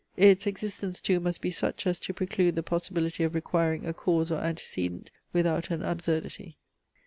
Its existence too must be such, as to preclude the possibility of requiring a cause or antecedent without an absurdity.